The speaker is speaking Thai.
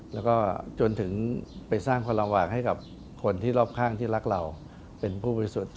แล้วก็จนถึงไปสร้างความลำบากให้กับคนที่รอบข้างที่รักเราเป็นผู้บริสุทธิ์